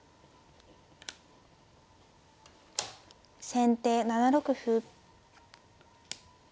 先手７六歩。